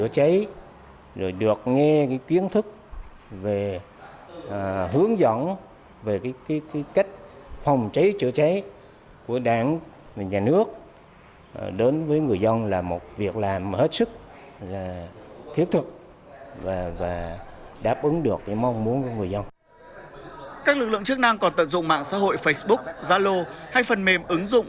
các lực lượng chức năng còn tận dụng mạng xã hội facebook zalo hay phần mềm ứng dụng